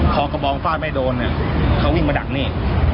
พอกระบองฟาดไม่โดนเนี่ยเขาวิ่งมาดักนี่